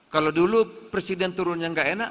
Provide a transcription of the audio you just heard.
kalau dulu presiden turun yang gak enak